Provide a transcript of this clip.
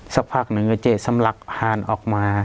สักพักหนึ่งก็เจ๊สำลักพานออกมา